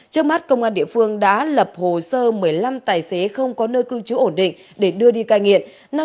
trước mắt công an địa phương đã lập hồ sơ một mươi năm tài xế không có nơi cư trú ổn định để đưa đi cai nghiện